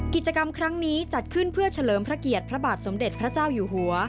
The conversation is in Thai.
กิจกรรมครั้งนี้จัดขึ้นเพื่อเฉลิมพระเกียรติพระบาทสมเด็จพระเจ้าอยู่หัว